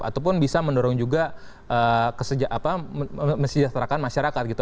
ataupun bisa mendorong juga mesejahterakan masyarakat gitu